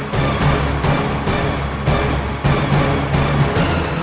terus saja berjalan